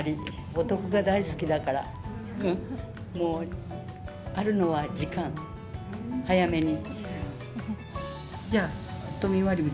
お得が大好きだから、あるのは時間、早めに。